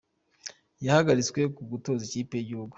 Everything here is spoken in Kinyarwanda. Yahagaritswe ku gutoza ikipe y’igihugu